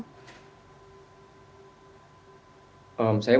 kepada pemerintah indonesia sekarang